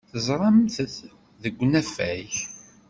Teẓramt-t deg unafag.